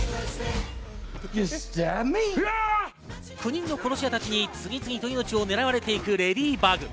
９人の殺し屋たちに次々と命をねらわれていくレディバグ。